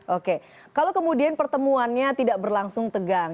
oke kalau kemudian pertemuannya tidak berlangsung tegang